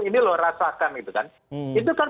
ini lo rasakan itu kan